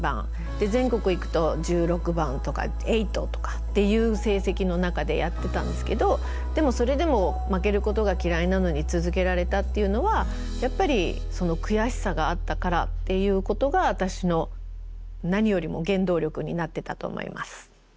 全国行くと１６番とかエイトとかっていう成績の中でやってたんですけどでもそれでも負けることが嫌いなのに続けられたっていうのはやっぱりその悔しさがあったからっていうことが私の何よりも原動力になってたと思います。